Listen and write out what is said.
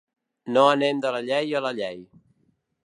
No anem de la llei a la llei.